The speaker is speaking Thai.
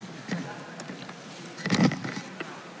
สวัสดีครับ